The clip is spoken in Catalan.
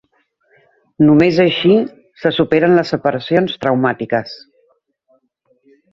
Només així se superen les separacions traumàtiques.